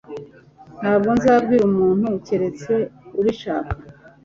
Ntabwo nzabwira umuntu keretse ubishaka.